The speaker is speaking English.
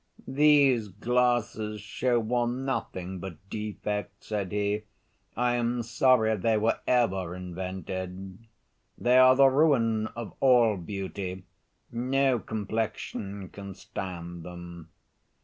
"These glasses shew one nothing but defects," said he; "I am sorry they were ever invented. They are the ruin of all beauty; no complexion can stand them.